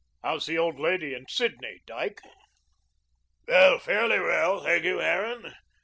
How's the old lady and Sidney, Dyke?" "Why, fairly well, thank you, Harran.